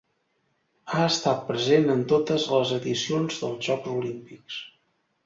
Ha estat present en totes les edicions dels Jocs Olímpics.